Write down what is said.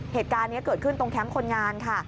เหตุการณ์นี้เกิดขึ้นตรงแคมป์คนงานค่ะ